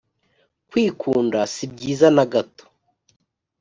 kwikunda sibyiza nagato